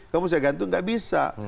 kamu saya ganti tidak bisa